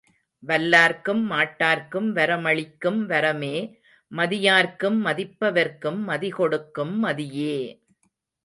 வல்லார்க்கும் மாட்டார்க்கும் வரமளிக்கும் வரமே மதியார்க்கும் மதிப்பவர்க்கும் மதிகொடுக்கும் மதியே!